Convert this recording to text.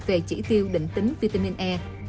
về chỉ tiêu định tính vitamin e